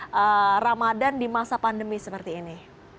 selama ramadan di masa pandemi seperti ini